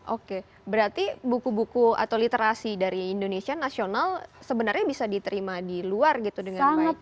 oke berarti buku buku atau literasi dari indonesia nasional sebenarnya bisa diterima di luar gitu dengan baik